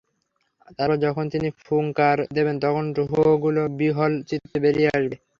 তারপর যখন তিনি ফুঙ্কার দেবেন, তখন রূহগুলো বিহ্বল চিত্তে বেরিয়ে আসবে।